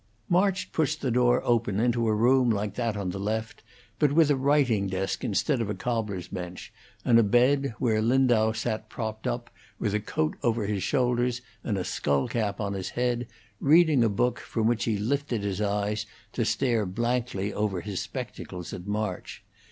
March pushed the door open into a room like that on the left, but with a writing desk instead of a cobbler's bench, and a bed, where Lindau sat propped up; with a coat over his shoulders and a skull cap on his head, reading a book, from which he lifted his eyes to stare blankly over his spectacles at March.